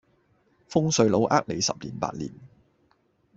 風水佬呃你十年八年